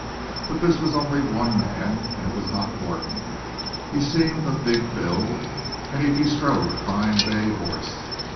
But this was only one man, and it was not Morton. He seemed of big build, and he bestrode a fine bay horse.